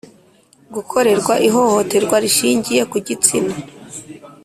Gukorerwa ihohoterwa rishingiye ku gitsina